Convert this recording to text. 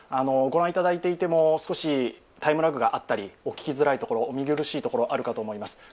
御覧いただいていても、少しタイムラグがあったりお聞きづらいところ、お見苦しいところあるかと思います。